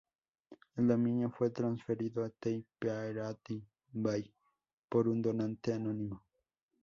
El dominio fue transferido a The Pirate Bay por un donante anónimo.